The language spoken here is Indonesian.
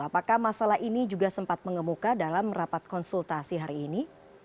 apakah masalah ini juga sempat mengemuka dalam rapat konsultasi hari ini